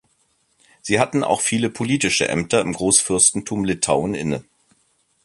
Sie hatten auch viele politische Ämter im Großfürstentum Litauen inne.